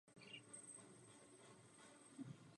Za tuto roli získal Oscara jako nejlepší herec v hlavní roli.